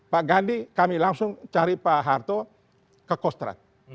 pak gandhi kami langsung cari pak harto ke kostrat